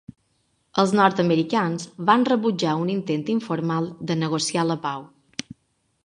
Els nord-americans van rebutjar un intent informal de negociar la pau.